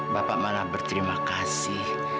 bapak malah berterima kasih